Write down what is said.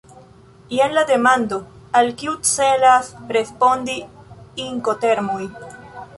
Jen la demando, al kiu celas respondi Inkotermoj.